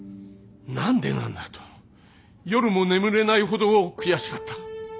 何でなんだと夜も眠れないほど悔しかった。